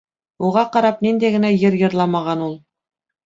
Уға ҡарап, ниндәй генә йыр йырламаған ул...